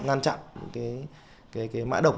ngăn chặn những cái mã độc